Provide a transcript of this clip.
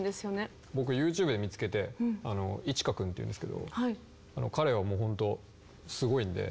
僕ＹｏｕＴｕｂｅで見つけてｉｃｈｉｋａ君っていうんですけど彼はもうほんとすごいんで。